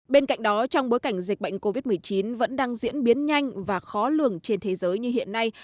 bên cạnh đó trong bối cảnh dịch bệnh covid một mươi chín vẫn đang diễn biến nhanh và khó lường trên thế giới như hiện nay